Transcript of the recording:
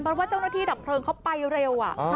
เพราะว่าเจ้าหน้าที่ดับเพลิงเขาไปเร็ว